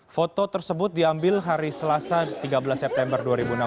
foto tersebut diambil hari selasa tiga belas september dua ribu enam belas